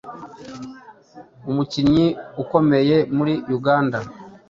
Umukinnyi ukomeye muri Uganda